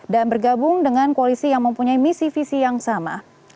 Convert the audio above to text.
dan bergabung dengan koalisi yang mempunyai misi visi yang setuju